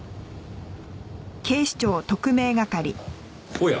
おや。